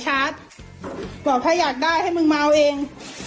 บอกถ้าอยากได้ให้มึงมาเอาเอง